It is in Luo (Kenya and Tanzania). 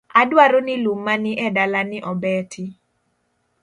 Adwaro ni lum ma ni edala ni obeti